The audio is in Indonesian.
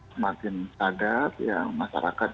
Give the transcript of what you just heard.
semakin terhadap masyarakat